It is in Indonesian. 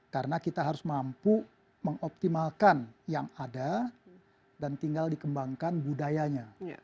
karena kita harus mampu mengoptimalkan yang ada dan tinggal dikembangkan budayanya